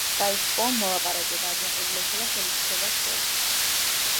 დაიწყო მოლაპარაკება აჯანყებულებსა და ხელისუფლებას შორის.